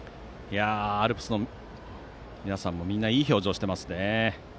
アルプスの皆さんもみんないい表情していますね。